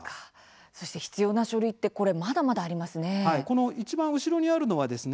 そして必要な書類ってこれ、まだまだありますね。